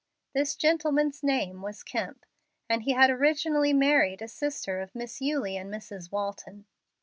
This gentleman's name was Kemp, and he had originally married a sister of Miss Eulie and Mrs. Walton.